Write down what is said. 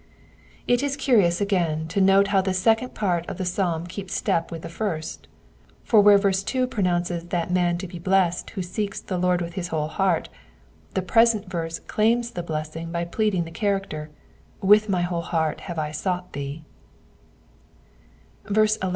It is curious again to note how the second part of the psalm keeps step with the first ; for where verse 2 pronounces that man to be blessed who seeks the Lord with his whole heart, the present verse claims the blessing by pleading the character :'* With my whole heart have I sought thee^ 11.